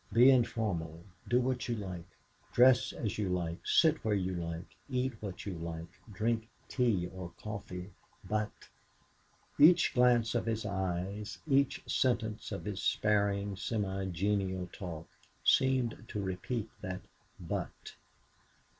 "Be informal do what you like, dress as you like, sit where you like, eat what you like, drink tea or coffee, but " Each glance of his eyes, each sentence of his sparing, semi genial talk, seemed to repeat that "but".